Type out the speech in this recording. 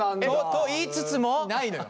と言いつつも？ないのよ。